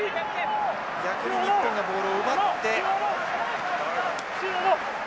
逆に日本がボールを奪って。